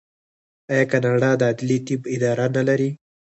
آیا کاناډا د عدلي طب اداره نلري؟